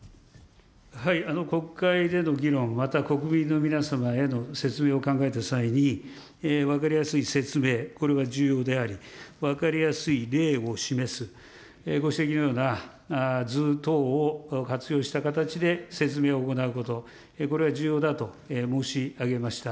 国会での議論、また国民の皆様への説明を考えた際に、分かりやすい説明、これは重要であり、分かりやすい例を示す、ご指摘のような図等を活用した形で説明を行うこと、これは重要だと申し上げました。